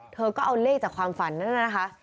เธอก็เอาเลขจากความฝันนั้นน่ะนะคะ